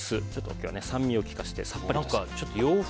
今日は酸味を利かせてさっぱりと。